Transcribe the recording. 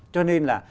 cho nên là